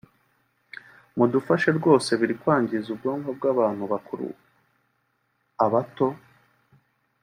mudufashe rwose biri kwangiza ubwonko bw’abantu abakuru abato